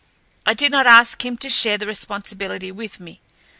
I did not ask him to share the responsibility with me.